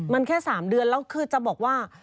มันแค่๓เดือนแล้วคือจะบอกว่า